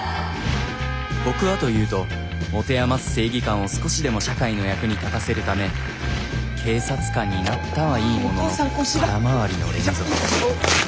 僕はというと持て余す正義感を少しでも社会の役に立たせるため警察官になったはいいものの空回りの連続。